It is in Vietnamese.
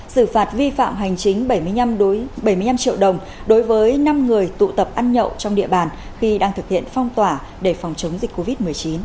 xử phạt vi phạm hành chính bảy mươi năm triệu đồng đối với năm người tụ tập ăn nhậu trong địa bàn khi đang thực hiện phong tỏa để phòng chống dịch covid một mươi chín